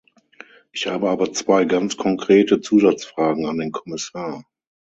Ich habe aber zwei ganz konkrete Zusatzfragen an den Kommissar.